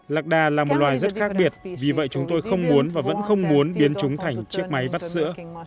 lạc đà là một loài rất khác biệt vì vậy chúng tôi không muốn và vẫn không muốn biến chúng thành chiếc máy vắt sữa